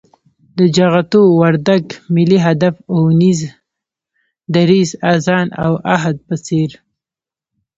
د جغتو، وردگ، ملي هدف اونيزه، دريځ، آذان او عهد په څېر